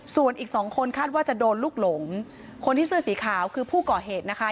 ส่วนอีกสองคนคาดว่าจะโดนลูกหลงคนที่เสื้อสีขาวคือผู้ก่อเหตุนะคะ